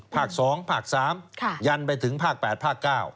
ภาคสองภาคสามยันไปถึงภาคแปดภาคเก้า